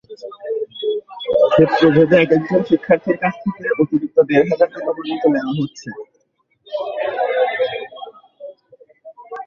ক্ষেত্রভেদে একেকজন শিক্ষার্থীর কাছ থেকে অতিরিক্ত দেড় হাজার টাকা পর্যন্ত নেওয়া হচ্ছে।